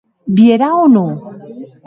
Vierà o non?